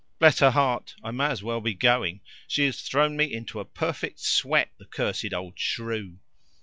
"Bless her heart, I may as well be going. She has thrown me into a perfect sweat, the cursed old shrew!"